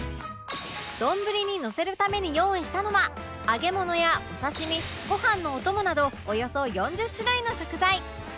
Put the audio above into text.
丼にのせるために用意したのは揚げ物やお刺身ご飯のお供などおよそ４０種類の食材